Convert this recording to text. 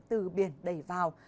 từ biển đẩy vào